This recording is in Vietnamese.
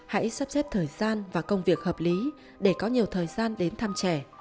hãy sắp xếp thời gian và công việc hợp lý để có nhiều thời gian đến thăm trẻ